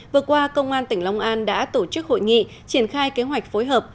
vừa qua công an tỉnh long an đã tổ chức hội nghị triển khai kế hoạch phối hợp